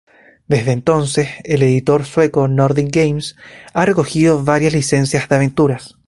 Desde entonces, el editor sueco Nordic Games ha recogido varias licencias de aventuras.